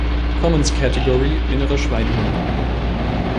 Commons Category: Innerer Schweinehund